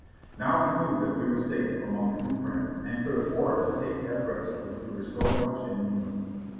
Now we knew that we were safe among true friends and could afford to take that rest which we were so much in need of.